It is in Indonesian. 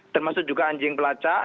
termasuk juga anjing pelajar